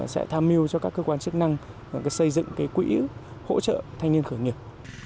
sẽ tham mưu cho các cơ quan chức năng xây dựng quỹ hỗ trợ thanh niên khởi nghiệp